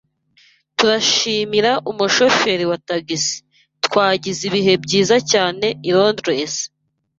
Turashimira umushoferi wa tagisi, twagize ibihe byiza cyane i Londres.